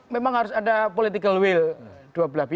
memang harus ada political will